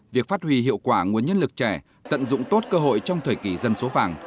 việc phát huy hiệu quả nguồn nhân lực trẻ tận dụng tốt cơ hội trong thời kỳ dân số vàng